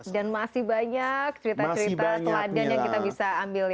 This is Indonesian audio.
seladan yang kita bisa ambil ya